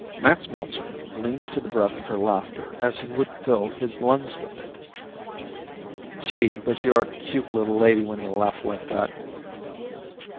Max Meltzer leaned to the breath of her laughter as if he would fill his lungs with it. "Gee! but you're a cute little lady when you laugh like that."